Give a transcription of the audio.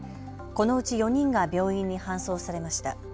このうち４人が病院に搬送されました。